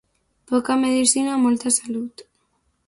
Poca medecina, molta salut.